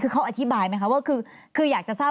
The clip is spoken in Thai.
นี่เค้าอธิบายไหมว่าคือคืออยากจะทราบ